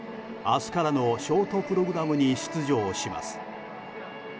明日からのショートプログラムに出場します。